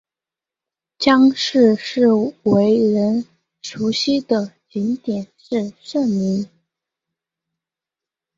姜市最为人熟悉的景点是圣陵。